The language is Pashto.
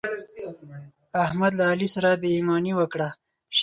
احمد له علي سره بې ايماني وکړه.